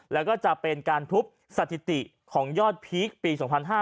แล้วก็จะเป็นการทุบสถิติของยอดพีคปี๒๕๕๙